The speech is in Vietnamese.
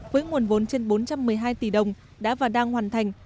với nguồn vốn trên bốn trăm một mươi hai tỷ đồng đã và đang hoàn thành